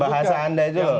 bahasa anda itu